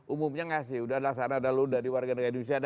umumnya gak sih udah ada sana ada lu dari warga negara indonesia